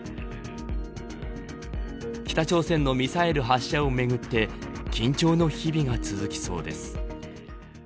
北朝鮮のミサイル発射をめぐって緊張の日々が続きそうです。